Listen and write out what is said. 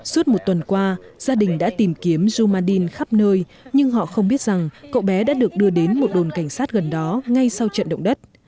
suốt một tuần qua gia đình đã tìm kiếm rumandin khắp nơi nhưng họ không biết rằng cậu bé đã được đưa đến một đồn cảnh sát gần đó ngay sau trận động đất